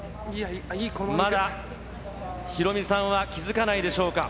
まだ、ヒロミさんは気付かないでしょうか。